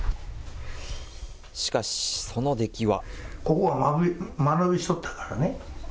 しかし、その出来は。